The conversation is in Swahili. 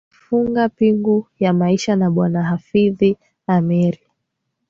Alifunga pingu ya maisha na Bwana Hafidh Ameir